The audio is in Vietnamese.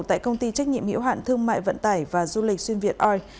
tại công ty trách nhiệm hiệu hạn thương mại vận tải và du lịch xuyên việt oil